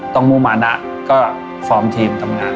มุมานะก็ฟอร์มทีมทำงาน